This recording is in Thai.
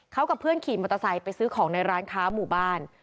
เขากับเพื่อนขี่มอเตอร์ไซค์ไปซื้อของในร้านค้าหมู่บ้าน